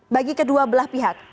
bagi kedua belah pihak